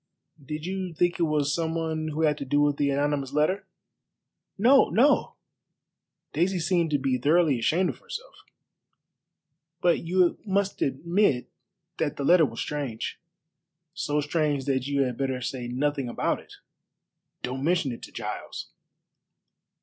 Did you think it was some one who had to do with the anonymous letter?" "No, no!" Daisy seemed to be thoroughly ashamed of herself. "But you must admit that the letter was strange." "So strange that you had better say nothing about it. Don't mention it to Giles."